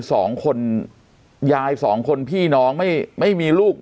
สองคนยายสองคนพี่น้องไม่ไม่มีลูก